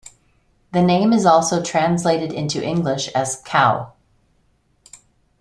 The name is also translated into English as Cow.